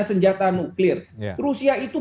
senjata nuklir rusia itu